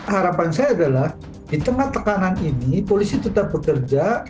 harapan saya adalah di tengah tekanan ini polisi tetap bekerja